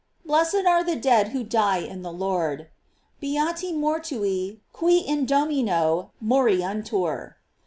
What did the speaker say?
Blessed are the dead who die in the Lord: "Beati mortui qui in Domino moriuntur."